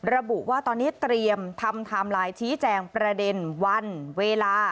ระบุว่าตอนนี้เตรียมทำไทม์ไลน์ชี้แจงประเด็นวันเวลา